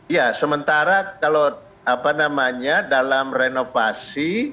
ya sementara kalau apa namanya dalam renovasi